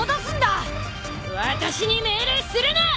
私に命令するな！